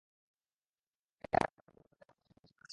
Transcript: এখানে কাটানো দু ঘন্টাই আমার জন্য শান্তিদায়ক ছিল।